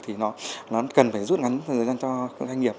thì nó cần phải rút ngắn thời gian cho các doanh nghiệp